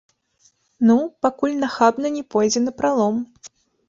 Ну, пакуль нахабна не пойдзеце напралом.